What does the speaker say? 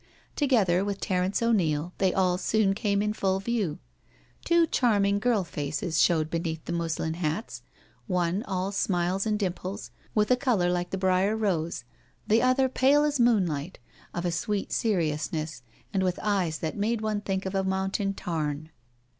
Together, with Terence O'Neil they all soon came in full view. Two charming girl faces showed beneath the muslin hats, one all smiles and dimples with a colour like the 40 NO SURRENDER briar rose, the other pale as moonlight, of a sweet seriousness, and with eyes that made one think of a mountain tarn.